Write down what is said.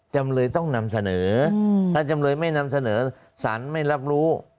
จำเลยต้องนำเสนอถ้าจำเลยไม่นำเสนอสารไม่รับรู้